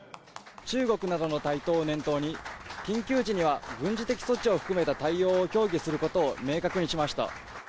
中国などの台頭を念頭に緊急時には軍事的措置を含めた対応を協議することを明確にしました。